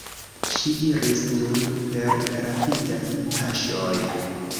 Ŝi iris nun per rapidaj paŝoj.